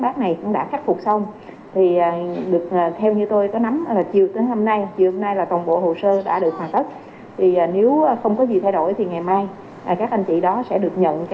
tổng bộ hồ sơ đã được hoàn tất nếu không có gì thay đổi thì ngày mai các anh chị đó sẽ được nhận